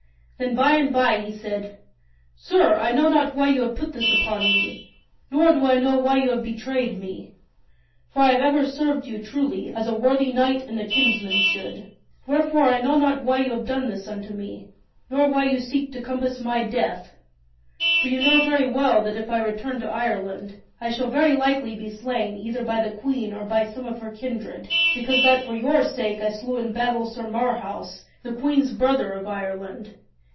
Then by and by he said: "Sir, I know not why you have put this upon me, nor do I know why you have betrayed me. For I have ever served you truly as a worthy knight and a kinsman should. Wherefore I know not why you have done this unto me, nor why you seek to compass my death. For you know very well that if I return to Ireland I shall very likely be slain either by the Queen or by some of her kindred, because that for your sake I slew in battle Sir Marhaus, the Queen's brother of Ireland.